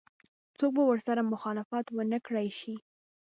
څوک به ورسره مخالفت ونه کړای شي.